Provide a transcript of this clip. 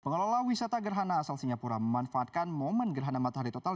pengelola wisata gerhana asal singapura memanfaatkan momen gerhana matahari total